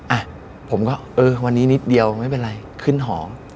อ่ะผมก็เออวันนี้นิดเดียวไม่เป็นไรขึ้นหอ